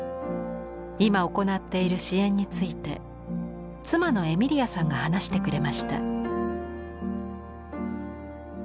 今行っている支援について妻のエミリアさんが話してくれました。